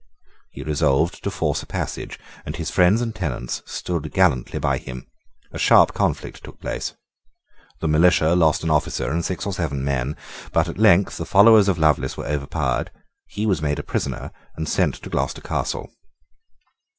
He resolved to force a passage; and his friends and tenants stood gallantly by him. A sharp conflict took place. The militia lost an officer and six or seven men; but at length the followers of Lovelace were overpowered: he was made a prisoner, and sent to Gloucester Castle.